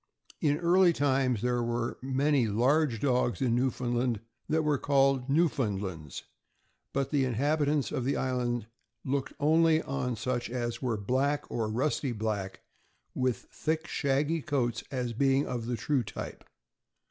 In early times, there were many large dogs in New foundland that were called Newfoundlands, but the in habitants of the island looked only on such as were black, or rusty black, with thick, shaggy coats, as being of the true type.